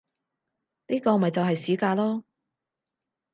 呢個咪就係市價囉